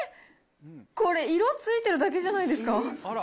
これ、色ついてるだけじゃないですか。